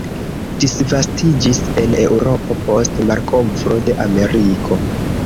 Disvastiĝis en Eŭropo post malkovro de Ameriko.